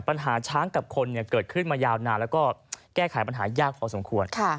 ปัญหาช้างกับคนเกิดขึ้นมายาวนานแล้วก็แก้ไขปัญหายากพอสมควร